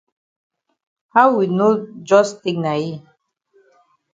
How we no jus take na yi?